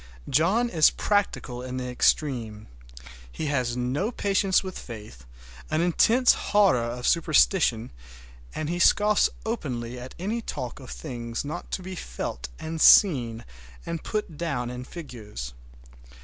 John is practical in the extreme. He has no patience with faith, an intense horror of superstition, and he scoffs openly at any talk of things not to be felt and seen and put down in figures.